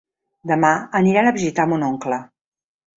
Demà aniran a visitar mon oncle.